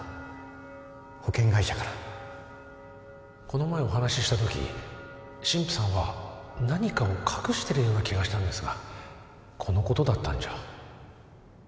この前お話ししたとき神父さんは何かを隠してるような気がしたんですがこのことだったんじゃ。